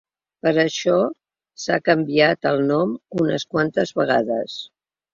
Per això s’ha canviat el nom unes quantes vegades.